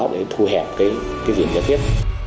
để thu hẹp cái diện giải thiết